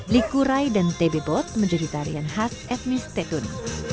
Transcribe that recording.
likurai dan tebebot menjadi tarian khas etnis tetun